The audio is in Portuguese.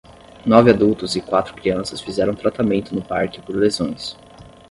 Nove adultos e quatro crianças fizeram tratamento no parque por lesões.